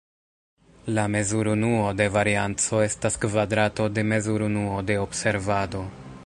La mezurunuo de varianco estas kvadrato de mezurunuo de observado.